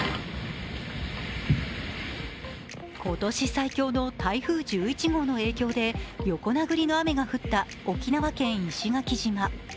今年最強の台風１１号の影響で横殴りの雨が降った沖縄県石垣島。